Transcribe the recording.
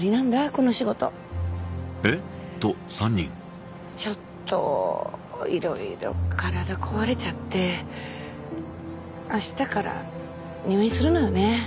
この仕事ちょっといろいろ体壊れちゃってあしたから入院するのよね